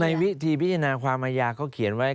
ในวิธีพิจารณาความอาญาเขาเขียนไว้